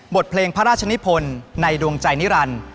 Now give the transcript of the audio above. บทเพลงพระราชนิพลในดวงใจนิรันดิ์